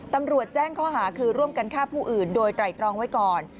ตำรวจแจ้งข้อหาคือร่วมกันฆ่าผู้อื่นโดยไตรตรองไว้ก่อน